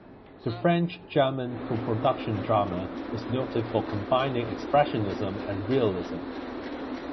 The French-German co-production drama is noted for combining expressionism and realism.